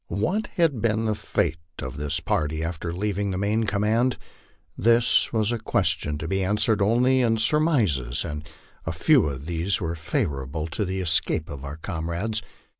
What had been the fate of this party after leaving the main command? This was a question to be answered only in surmises, and few of these were favora ble to the escape of our comrades.